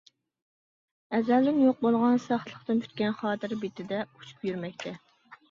ئەزەلدىن يوق بولغان، ساختىلىقتىن پۈتكەن خاتىرە بېتىدە ئۇچۇپ يۈرمەكتە.